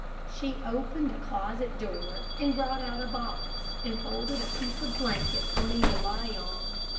She opened a closet door, and brought out a box, and folded a piece of blanket for me to lie on.